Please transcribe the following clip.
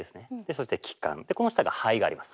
そして気管この下が肺があります。